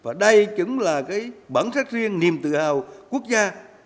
và đây chính là cái bản sắc riêng niềm tự hào quốc gia